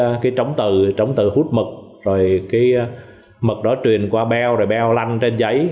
nên cái trống từ trống từ hút mật rồi cái mật đó truyền qua beo rồi beo lanh trên giấy